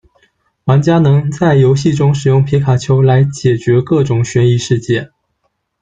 玩家能在游戏中使用皮卡丘来解决各种悬疑事件。